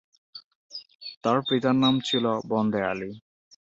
তার পিতার নাম ছিল বন্দে আলী।